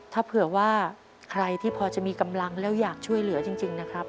ถ้าเผื่อว่าใครที่พอจะมีกำลังแล้วอยากช่วยเหลือจริงนะครับ